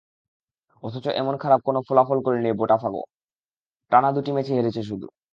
অথচ এমন খারাপ কোনো ফলাফল করেনি বোটাফোগো, টানা দুটি ম্যাচই হেরেছে শুধু।